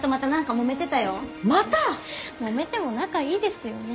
もめても仲いいですよね。